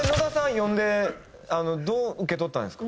読んでどう受け取ったんですか？